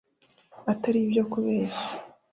Atari ibyo kubeshya